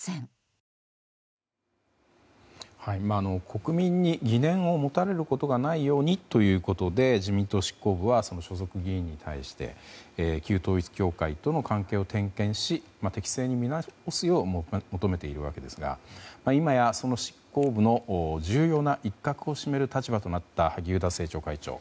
国民に疑念を持たれることのないようにということで自民党執行部は所属議員に対して旧統一教会との関係を点検し適正に見直すよう求めているわけですが今や、その執行部の重要な一角を占める立場となった萩生田政調会長。